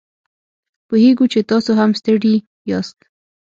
پوهیږو چې تاسو هم ستړي یاست